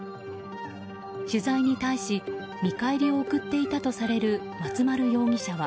取材に対し見返りを贈っていたとされる松丸容疑者は。